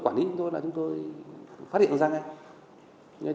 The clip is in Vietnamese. quản lý chúng tôi là chúng tôi phát hiện ra ngay